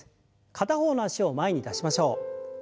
片方の脚を前に出しましょう。